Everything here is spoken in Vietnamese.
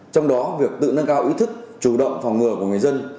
trong đó việc tự nâng cao ý thức chủ động phòng ngừa của người dân